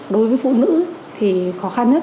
đối với phụ nữ thì khó khăn nhất